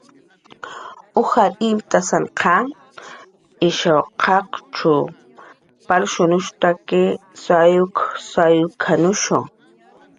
"Ujar imtan ish qachuchkun palnushp""tak sawy sawk""anushu"